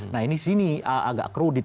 nah ini di sini agak krodit